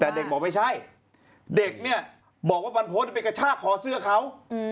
แต่เด็กบอกไม่ใช่เด็กเนี่ยบอกว่าบรรพฤษไปกระชากคอเสื้อเขา